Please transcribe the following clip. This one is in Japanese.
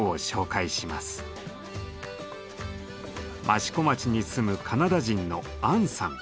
益子町に住むカナダ人のアンさん。